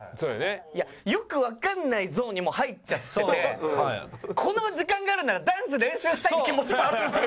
いやよくわかんないゾーンにもう入っちゃっててこの時間があるならダンス練習したいって気持ちもあるんですよ